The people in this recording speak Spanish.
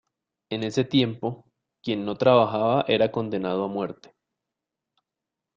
En ese tiempo, quien no trabajaba era condenado a muerte.